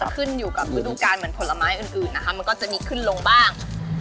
ขึ้นอยู่กับฤดูการเหมือนผลไม้อื่นนะคะมันก็จะมีขึ้นลงบ้าง